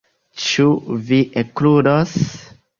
Ĉu vi ekludos?